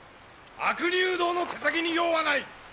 悪入道の手先に用はない！